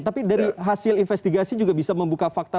tapi dari hasil investigasi juga bisa membuka fakta